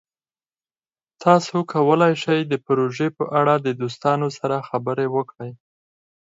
تاسو کولی شئ د پروژې په اړه د دوستانو سره خبرې وکړئ.